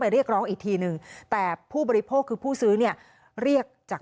เรียกร้องอีกทีนึงแต่ผู้บริโภคคือผู้ซื้อเนี่ยเรียกจาก